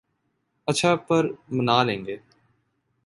اچھا ، پرملیں گے